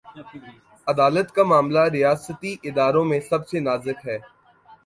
عدالت کامعاملہ، ریاستی اداروں میں سب سے نازک ہے۔